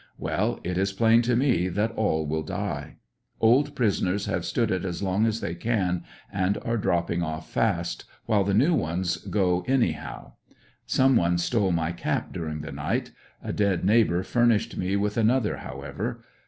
Well, it is plain to me that all will die. Old prisoners have stood it as long as they can, and are dropping off fast, Wxxile the new ones go anyhow, f Some one stole my cap during the ni^ht. A dead neighbor furnished me with another, however.